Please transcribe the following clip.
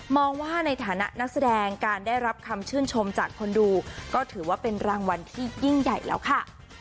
ว่าในฐานะนักแสดงการได้รับคำชื่นชมจากคนดูก็ถือว่าเป็นรางวัลที่ยิ่งใหญ่แล้วค่ะ